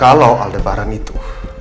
kalau aldebaran itu